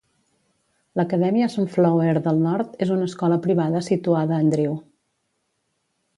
L'Acadèmia Sunflower del nord és una escola privada situada en Drew.